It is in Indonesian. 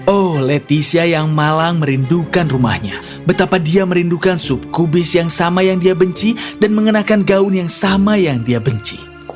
oh leticia yang malang merindukan rumahnya betapa dia merindukan sup kubis yang sama yang dia benci dan mengenakan gaun yang sama yang dia benci